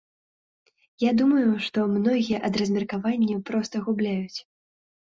Я думаю, што многія ад размеркавання проста губляюць.